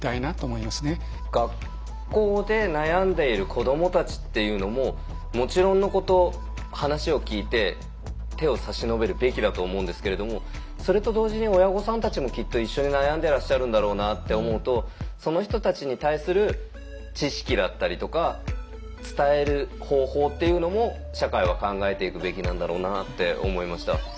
学校で悩んでいる子どもたちっていうのももちろんのこと話を聞いて手を差し伸べるべきだと思うんですけれどもそれと同時に親御さんたちもきっと一緒に悩んでらっしゃるんだろうなって思うとその人たちに対する知識だったりとか伝える方法っていうのも社会は考えていくべきなんだろうなって思いました。